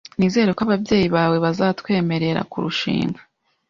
Nizere ko ababyeyi bawe bazatwemerera kurushinga .